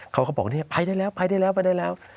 เขาก็บอกเนี่ยไปได้แล้วไปได้แล้วไปได้แล้ว